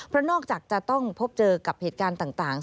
เพราะนอกจากจะต้องพบเจอกับเหตุการณ์ต่าง